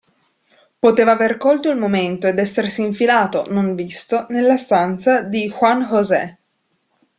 Poteva aver colto il momento ed essersi infilato, non visto, nella stanza di Juan José.